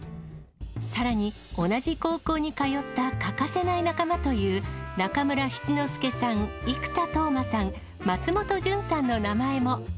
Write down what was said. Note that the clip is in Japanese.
さらに同じ高校に通った欠かせない仲間という、中村七之助さん、生田斗真さん、松本潤さんの名前も。